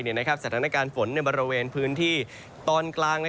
สถานการณ์ฝนในบริเวณพื้นที่ตอนกลาง